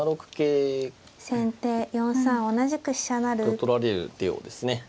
と取られる手をですね